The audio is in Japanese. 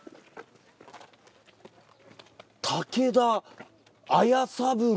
武田斐三郎。